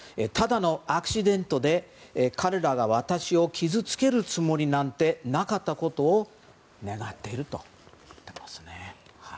ただのアクシデントで彼らが私を傷つけるつもりなんてなかったことを願っていると言っていますね。